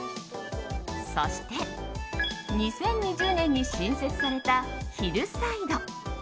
そして、２０２０年に新設されたヒルサイド。